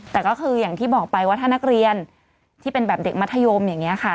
แต่ก็คืออย่างที่บอกไปว่าถ้านักเรียนที่เป็นแบบเด็กมัธยมอย่างนี้ค่ะ